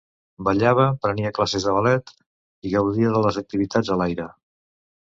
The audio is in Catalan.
Ballava, prenia classes de ballet i gaudia de les activitats a l'aire.